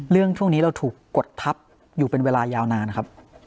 ช่วงนี้เราถูกกดทับอยู่เป็นเวลายาวนานครับ